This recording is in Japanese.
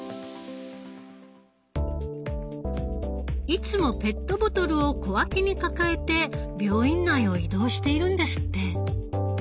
いつもペットボトルを小脇に抱えて病院内を移動しているんですって。